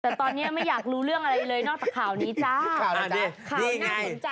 แต่ตอนนี้ไม่อยากรู้เรื่องอะไรเลยนอกจากข่าวนี้จ้า